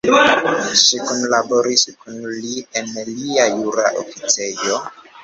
Ŝi kunlaboris kun li en lia jura oficejo.